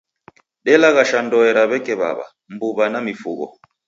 Delaghasha ndoe ra w'eke w'aw'a, mbuw'a na mifugho.